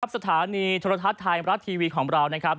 สถานีโทรทัศน์ไทยมรัฐทีวีของเรานะครับ